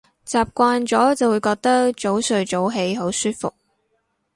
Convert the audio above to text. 習慣咗就會覺得早睡早起好舒服